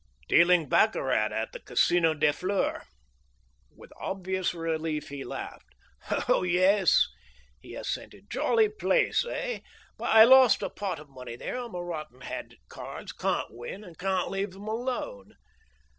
"Dealing baccarat at the Casino des Fleurs." With obvious relief he laughed. "Oh, yes," he assented; "jolly place, Aix. But I lost a pot of money there. I'm a rotten hand at cards. Can't win, and can't leave 'em alone."